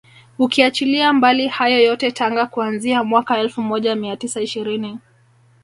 Ukiachilia mbali hayo yote Tanga kuanzia mwaka elfu moja mia tisa ishirini